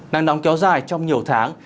nắng nóng kéo dài trong nhiều tháng